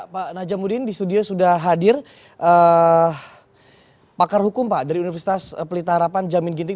pak najamudin di studio sudah hadir pakar hukum pak dari universitas pelita harapan jamin ginting